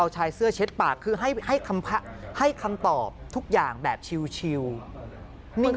เจ็ดปากคือให้คำตอบทุกอย่างแบบชิลล์